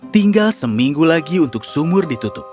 tinggal seminggu lagi untuk sumur ditutup